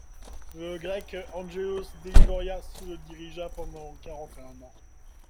Le Grec Angelos Delivorias le dirigea pendant quarante-et-un ans.